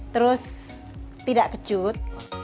terus tidak kecut